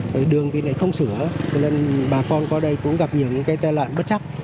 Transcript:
rồi đường thì không sửa cho nên bà con qua đây cũng gặp nhiều cái tai nạn bất chắc